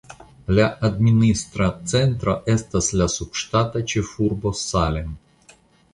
La administra centro estas la subŝtata ĉefurbo Salem.